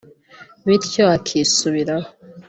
bityo akisubiraho